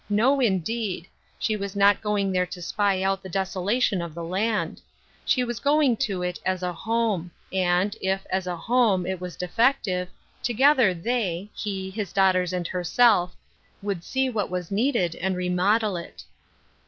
No, indeed. She was not going there to spy out the desola tion of the land. She was going to it as a home ; and if, as a home, it was defective, together they — he, his daughters and herself — would Bee what was needed, and remodel it.